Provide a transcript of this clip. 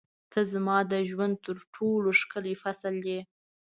• ته زما د ژوند تر ټولو ښکلی فصل یې.